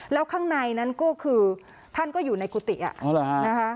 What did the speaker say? แล้วข้างในนั้นก็คือท่านก็อยู่ในกุติอ่ะอ๋อเหรอค่ะนะคะ